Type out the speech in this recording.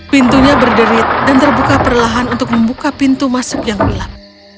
pintunya berderit dan terbuka perlahan untuk membuka pintu masuk yang gelap